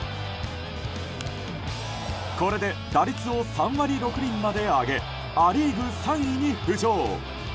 これで打率を３割６厘まで上げア・リーグ３位に浮上。